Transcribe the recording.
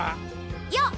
よっ！